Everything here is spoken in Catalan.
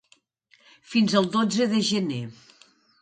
Fins al dotze de gener.